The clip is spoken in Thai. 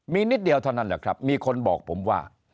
มีนิดเดียวเท่านั้นแหละครับมีคนบอกผมว่า